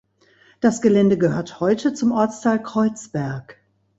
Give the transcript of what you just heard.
Das Gelände gehört heute zum Ortsteil Kreuzberg.